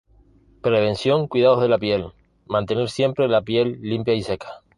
Prevención cuidados de la piel: Mantener siempre la piel limpia y seca.